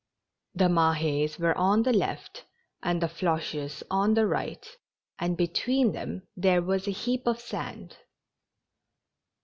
The Mahes were on the left and the Floches on the right, and be tween them there was a heap of sand.